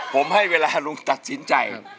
ผมให้เวลาลุงตัดสินใจ